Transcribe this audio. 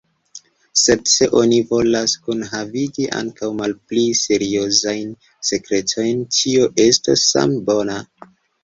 Sed se oni volos kunhavigi ankaŭ malpli seriozajn sekretojn, tio estos same bona.